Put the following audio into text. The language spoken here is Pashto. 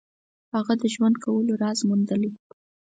هغه د ژوند کولو راز موندلی.